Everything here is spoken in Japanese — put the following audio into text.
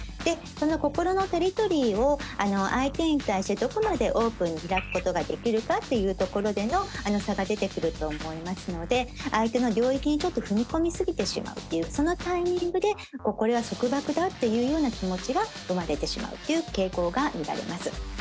心のテリトリーを相手に対してどこまでオープンに開くことができるかっていうところでの差が出てくると思いますので相手の領域にちょっと踏み込み過ぎてしまうっていうそのタイミングでこれは束縛だっていうような気持ちが生まれてしまうという傾向が見られます。